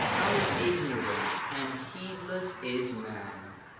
How ignorant and heedless is man!